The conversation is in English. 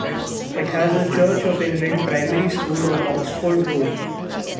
It has a Church of England primary school on Oxford Road.